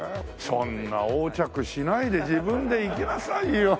そんな横着しないで自分で行きなさいよ。